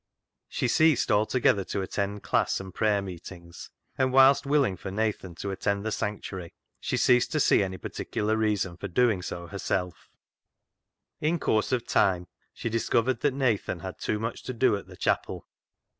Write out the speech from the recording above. She ceased altogether to attend class and prayer meetings, and whilst willing for Nathan to attend the sanctuary, she ceased to see any particular reason for doincf so herself TATTY ENTWISTLE'S RETURN 109 In course ot time she discovered that Nathan had too much to do at the chapel.